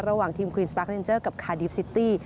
ระหว่างทีมควีนสปาเกนเจอร์กับคาดิฟซิตี้